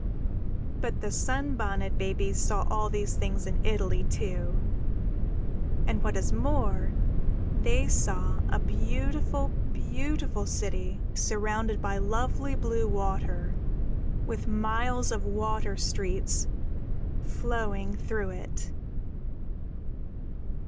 _ _But the Sunbonnet Babies saw all these things in Italy, too, and, what is more, they saw a beautiful, beautiful city surrounded by lovely, blue water, with miles of water streets flowing through it.